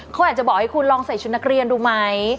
เขาอยากจะบอกให้คุณลองใส่ชุดนักเรียนดูไหม